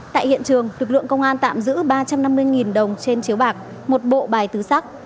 tại hiện trường lực lượng công an tạm giữ ba trăm năm mươi đồng trên chiếu bạc một bộ bài tứ sắc